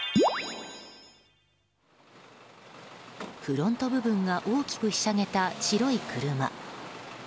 フロント部分が大きくひしゃげた白い車。